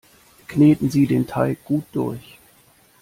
Kneten Sie den Teig gut durch!